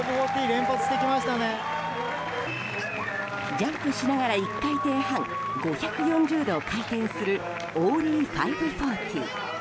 ジャンプしながら１回転半５４０度回転するオーリー５４０。